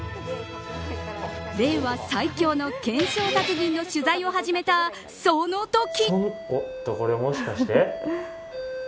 令和最強の懸賞達人の取材を始めたそのとき。